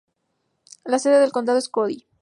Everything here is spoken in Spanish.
La sede del condado es Cody.